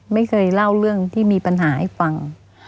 ไม่เคยเล่าเรื่องที่มีปัญหาให้ฟัง